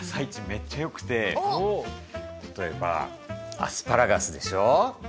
めっちゃよくて例えばアスパラガスでしょう。